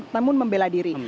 namun membela diri